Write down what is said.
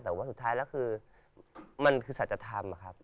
แต่ว่าสุดท้ายแล้วคือมันคือสัจธรรมอะครับ